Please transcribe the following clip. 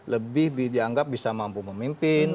lebih dianggap bisa mampu memimpin